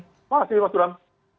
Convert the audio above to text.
terima kasih mas durang